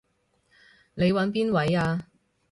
你搵邊位啊？